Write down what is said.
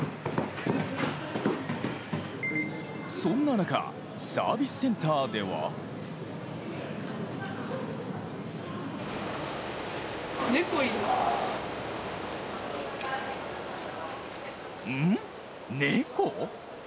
そんな中、サービスセンターではんん、猫？